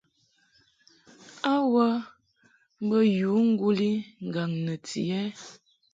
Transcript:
A wə mbə yǔ ŋguli ŋgaŋ nɨti ɛ ?